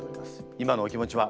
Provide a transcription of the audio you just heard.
今のお気持ちは？